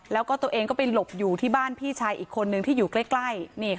แล้วก็ตัวเองก็ไปหลบอยู่ที่บ้านพี่ชายอีกคนนึงที่อยู่ใกล้